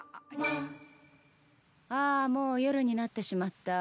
あもう夜になってしまった。